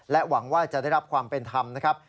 หวังว่าจะได้รับความเป็นธรรมนะครับ